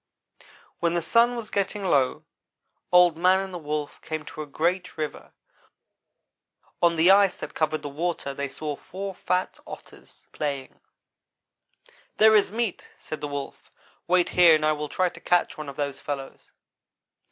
"When the sun was getting low Old man and the Wolf came to a great river. On the ice that covered the water, they saw four fat Otters playing. "'There is meat,' said the Wolf; 'wait here and I will try to catch one of those fellows.'